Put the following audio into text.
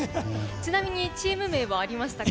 ちなみにチーム名はありましたか？